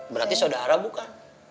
berarti sodara bukan